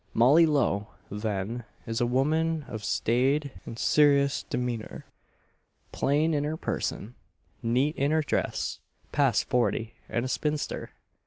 Molly Lowe, then, is a woman of staid and serious demeanour; plain in her person, neat in her dress, past forty, and a spinster.